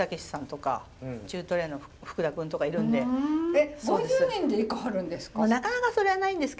えっ５０人で行かはるんですか？